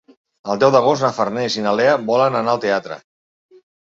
El deu d'agost na Farners i na Lea volen anar al teatre.